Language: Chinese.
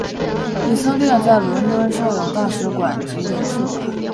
以色列则在伦敦设有大使馆及领事馆。